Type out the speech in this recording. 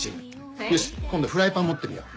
よし今度フライパン持ってみよう。